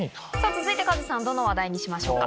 続いてカズさんどの話題にしますか？